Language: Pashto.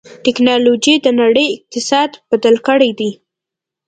ټکنالوجي د نړۍ اقتصاد بدل کړی دی.